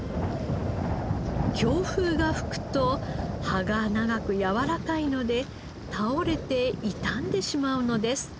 強風が吹くと葉が長くやわらかいので倒れて傷んでしまうのです。